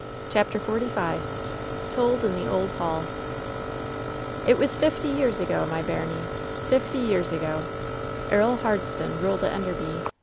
CHAPTER XLV TOLD IN THE OLD HALL "It was fifty years ago, my bairnie — fifty years ago. Earl Hardston ruled at Enderby.